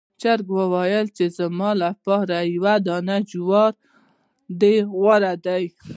چرګ وویل چې زما لپاره یو دانې جوار له دې غوره دی.